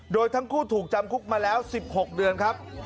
โดยทั้งคู่ถูกจำคุกมาแล้ว๑๖เดือนครับ